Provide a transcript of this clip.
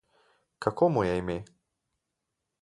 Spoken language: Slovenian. Kako mu je ime?